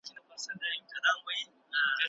د عدالت تر سيوري لاندې خلګ خوشحاله ژوند کوي.